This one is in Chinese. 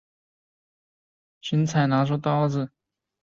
荀采拿出刀子以自己的性命威胁不肯改嫁。